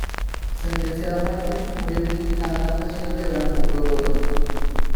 Sentenciado a muerte, murió guillotinado en la prisión de Brandenburgo-Gorden.